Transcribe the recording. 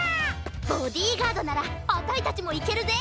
ボディーガードならあたいたちもいけるぜ！